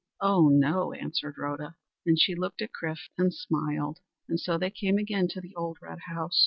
"Ah, no," answered Rhoda. And she looked at Chrif and smiled. And so they came again to the old red house.